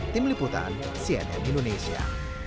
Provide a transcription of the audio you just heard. tim liputan cnn indonesia